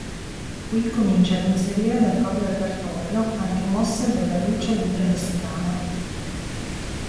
Qui comincia ad inserire nel proprio repertorio anche mosse della Lucha Libre messicana.